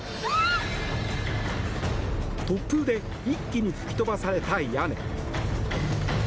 突風で一気に吹き飛ばされた屋根。